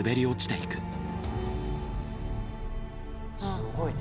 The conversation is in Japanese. すごいね。